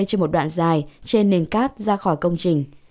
trên một đoạn dài trên nền cát ra khỏi công trình